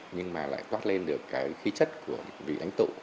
nhưng mà lại toát lên được cái khí chất của vị ánh tụ